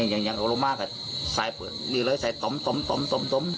ยังยังลงมากใส่ต้มต้มต้ม